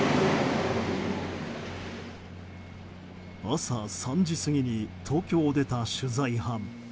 朝３時過ぎに東京を出た取材班。